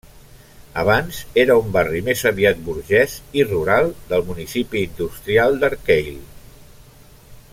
Abans era un barri més aviat burgès i rural del municipi industrial d'Arcueil.